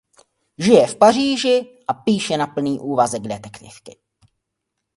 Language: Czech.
Žije v Paříži a píše na plný úvazek detektivky.